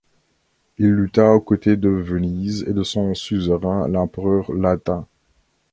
Il lutta aux côtés de Venise et de son suzerain l'Empereur latin.